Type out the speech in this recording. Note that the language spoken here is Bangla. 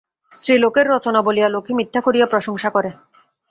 স্ত্রীলোকের রচনা বলিয়া লোকে মিথ্যা করিয়া প্রশংসা করে।